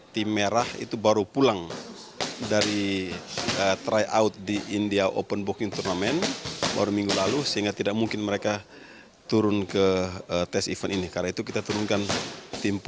tim putih terbaik dari ketiga tim